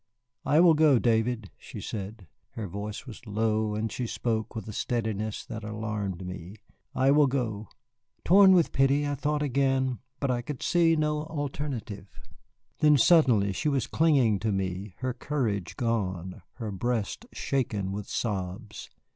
"I will go, David," she said. Her voice was low and she spoke with a steadiness that alarmed me. "I will go." Torn with pity, I thought again, but I could see no alternative. And then, suddenly, she was clinging to me, her courage gone, her breast shaken with sobs.